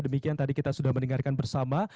demikian tadi kita sudah mendengarkan bersama